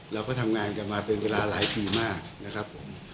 เราก็ทำงานกันมาเป็นเวลาหลายปีมากนะครับผม